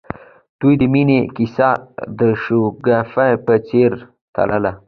د دوی د مینې کیسه د شګوفه په څېر تلله.